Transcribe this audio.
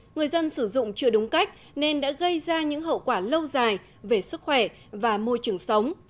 người dân sử dụng chưa đúng cách nên đã gây ra những hậu quả lâu dài về sức khỏe và môi trường sống